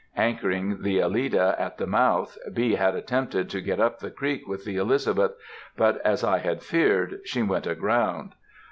Anchoring the Alida at the mouth, B. had attempted to get up the creek with the Elizabeth, but, as I had feared, she went aground.